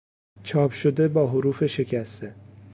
چاپ شده با حروف شکسته